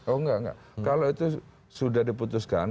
oh enggak enggak kalau itu sudah diputuskan